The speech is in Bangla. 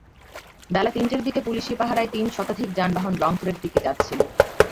বেলা তিনটার দিকে পুলিশি পাহারায় তিন শতাধিক যানবাহন রংপুরের দিকে যাচ্ছিল।